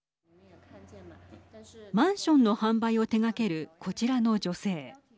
マンションの販売を手がけるこちらの女性。